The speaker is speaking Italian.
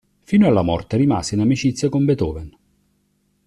Fino alla morte rimase in amicizia con Beethoven.